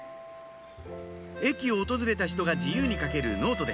駅を訪れた人が自由に書けるノートです